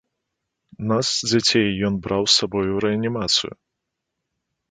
Нас, дзяцей, ён браў з сабой у рэанімацыю.